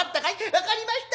「分かりました。